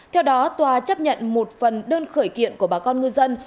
theo đó tòa chấp nhận một phần đơn khởi kiện của bà con ngư dân